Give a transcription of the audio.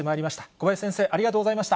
小林先生、ありがとうございました。